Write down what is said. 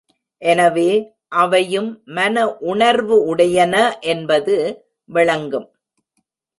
எனவே, அவையும் மன உணர்வு உடையன என்பது விளங்கும்.